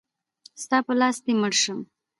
ستا په لاس دی مړ شم.